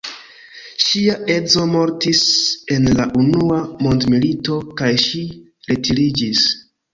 Ŝia edzo mortis en la unua mondmilito kaj ŝi retiriĝis.